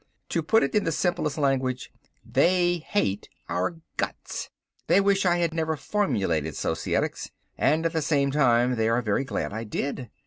"To put it in the simplest language, they hate our guts. They wish I had never formulated Societics, and at the same time they are very glad I did.